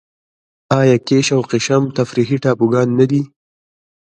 آیا کیش او قشم تفریحي ټاپوګان نه دي؟